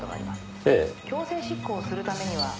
「強制執行するためには」